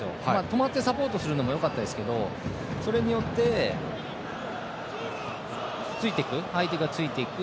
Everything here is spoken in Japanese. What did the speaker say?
止まってサポートするのもよかったですけどそれによって、相手がついていく。